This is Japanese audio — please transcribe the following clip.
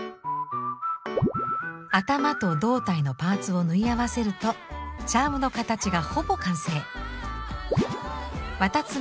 頭と胴体のパーツを縫い合わせるとチャームの形がほぼ完成。